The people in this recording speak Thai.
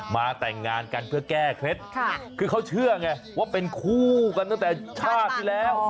มาแต่งงานกันเพื่อแก้เคล็ดคือเขาเชื่อไงว่าเป็นคู่กันตั้งแต่ชาติที่แล้ว